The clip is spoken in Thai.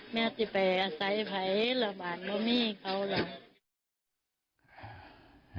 แหมจะไปสภัยระบาดอโมมี่ของเขาโหล